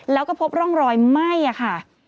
แล้วก็พบร่องรอยไหม้ค่ะ